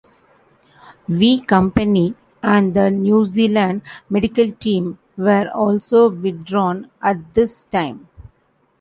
V Company and the New Zealand medical team were also withdrawn at this time.